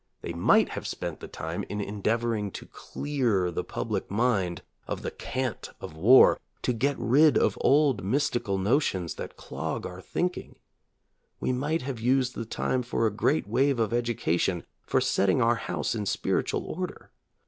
They might have spent the time in endeavoring to clear the public mind of the cant of war, to get rid of old mystical notions that clog our thinking. We might have used the time for a great wave of education, for setting our house in spiritual order.